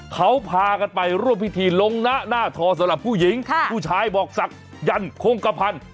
เขาพากันไปร่วมพิธีลงหน้าหน้าทอสำหรับผู้หญิงผู้ชายบอกศักดันโค้งกระพันธ์